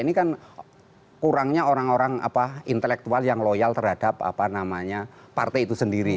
ini kan kurangnya orang orang intelektual yang loyal terhadap partai itu sendiri